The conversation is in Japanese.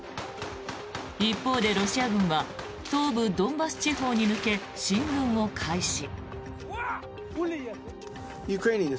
一方でロシア軍は東部ドンバス地方に向け進軍を開始。